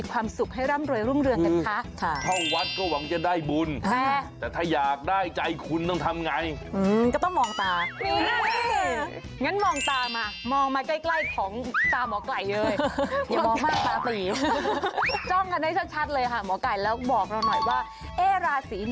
ว่าเราจะทำบุญอย่างไรให้โชคดี